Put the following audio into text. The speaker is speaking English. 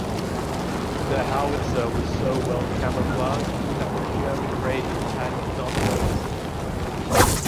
The howitzer was so well camouflaged, that the German raiders had not noticed it.